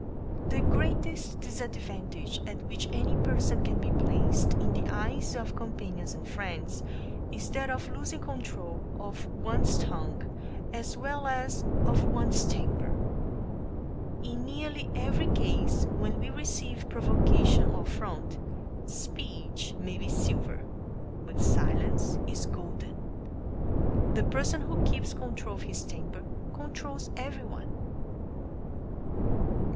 The greatest disadvantage at which any person can be placed in the eyes of companions and friends is that of losing control of one's tongue as well as of one's temper. In nearly every case where we receive provocation or affront, speech may be silver, but "silence is golden." The person who keeps control of his temper controls everyone.